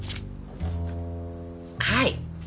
はい。